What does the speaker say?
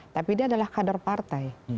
tapi dia adalah kader partai